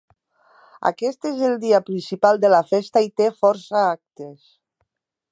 Aquest és el dia principal de la festa i té força actes.